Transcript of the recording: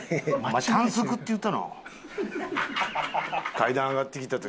階段上がってきた時。